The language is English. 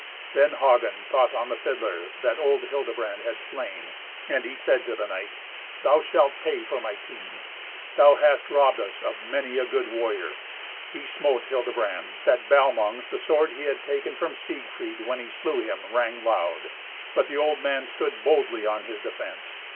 Then Hagen thought on the fiddler that old Hildebrand had slain, and he said to the knight, "Thou shalt pay for my teen. Thou hast robbed us of many a good warrior." He smote Hildebrand, that Balmung, the sword he had taken from Siegfried when he slew him, rang loud. But the old man stood boldly on his defence.